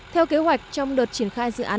theo kế hoạch trong đợt triển khai dự án